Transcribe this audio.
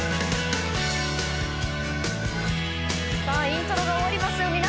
さあイントロが終わりますよ